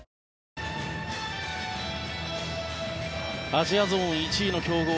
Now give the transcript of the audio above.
アジアゾーン１位の強豪